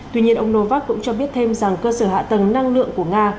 tuy nhiên ông novak cũng cho biết thêm rằng cơ sở hạ tầng năng lượng của nga